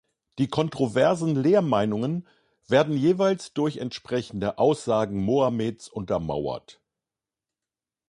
Die kontroversen Lehrmeinungen werden jeweils durch entsprechende Aussagen Mohammeds untermauert.